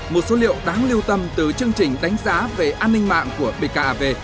một số liệu đáng lưu tâm từ chương trình đánh giá về an ninh mạng của bkav